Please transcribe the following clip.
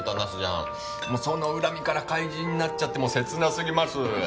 その恨みから怪人になっちゃってもう切なすぎます。